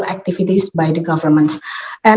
aktivitas sosial oleh pemerintah